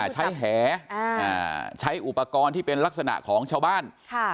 แหใช้อุปกรณ์ที่เป็นลักษณะของชาวบ้าน